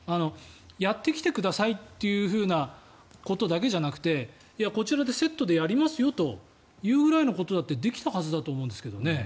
やってきてくださいというふうなことだけじゃなくてこちらでセットでやりますよというぐらいのことだってできたはずだと思うんですけどね。